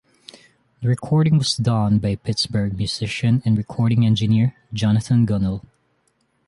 The recording was done by Pittsburgh musician and recording engineer, Jonathan Gunnell.